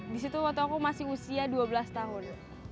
di situ waktu aku masih usia dua belas tahun